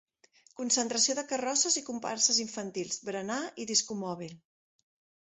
Concentració de carrosses i comparses infantils, berenar i discomòbil.